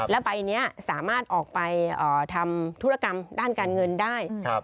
แล้วใบนี้สามารถออกไปทำธุรกรรมด้านการเงินได้